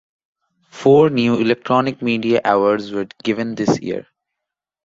Four new electronic media awards were given this year.